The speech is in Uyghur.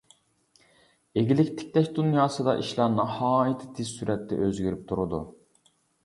ئىگىلىك تىكلەش دۇنياسىدا ئىشلار ناھايىتى تېز سۈرەتتە ئۆزگىرىپ تۇرىدۇ.